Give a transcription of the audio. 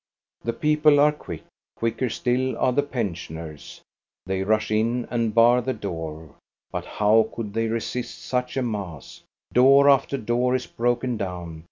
" The people are quick; quicker still are the pen sioners. They rush in and bar the door. But how could they resist such a mass } Door after door is broken down.